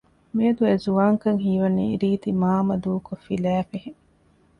މިއަދު އެ ޒުވާންކަން ހީވަނީ ރީތިމާމަ ދޫކޮށް ފިލައިފިހެން